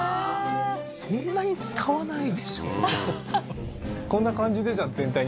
そんなに使わないでしょははっ